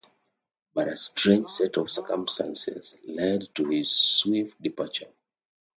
But a strange set of circumstances led to his swift departure.